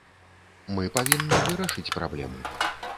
Мы павінны вырашыць праблему.